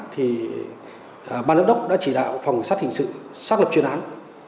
thì ban giám đốc đã chỉ đạo phòng xác hình sự xác lập chuyên án